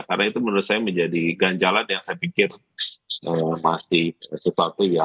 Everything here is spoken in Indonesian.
karena itu menurut saya menjadi ganjalan yang saya pikir masih